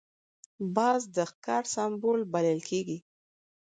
باز د ښکار سمبول بلل کېږي